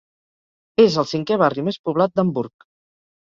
És el cinquè barri més poblat d'Hamburg.